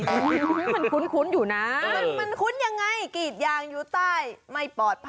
โอ้โหมันคุ้นอยู่นะมันคุ้นยังไงกรีดยางอยู่ใต้ไม่ปลอดภัย